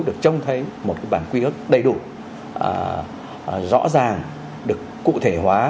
được trông thấy một cái bản quy ước đầy đủ rõ ràng được cụ thể hóa